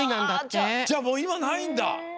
じゃあいまもうないんだ！？